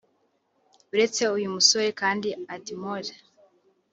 Buretse uyu musore kandi Edmore